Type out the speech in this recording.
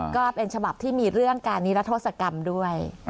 ก็เป็นฉบับที่มีเรื่องการนิรัทธศกรรมด้วย